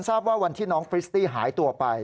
ทราบว่าวันที่น้องฟริสตี้หายตัวไป